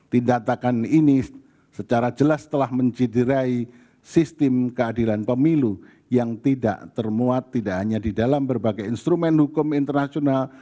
tindakan ini secara jelas telah menciderai sistem keadilan pemilu yang tidak termuat tidak hanya di dalam berbagai instrumen hukum internasional